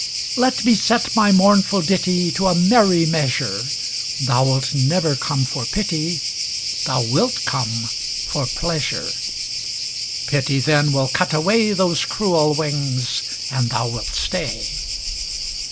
Let me set my mournful ditty To a merry measure; Thou wilt never come for pity, Thou wilt come for pleasure; Pity then will cut away Those cruel wings, and thou wilt stay.